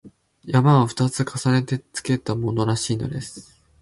「山」を二つ重ねてつけたものらしいのです